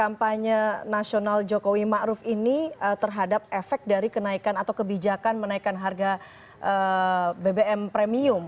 kampanye nasional jokowi ma'ruf ini terhadap efek dari kenaikan atau kebijakan menaikan harga bbm premium